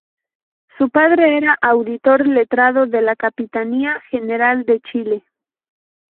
Su padre era auditor letrado de la Capitanía General de Chile.